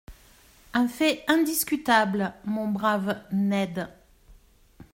—Un fait indiscutable, mon brave Ned.